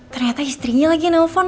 ternyata istrinya lagi nelfon